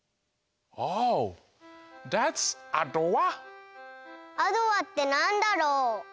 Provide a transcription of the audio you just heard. Ｏｈ．アドワってなんだろう？